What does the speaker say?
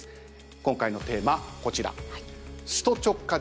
今回のテーマこちら。